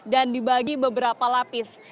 dan dibagi beberapa lapis